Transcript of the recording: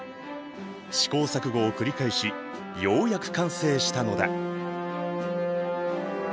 試行錯誤を繰り返しようやく完成したのだ。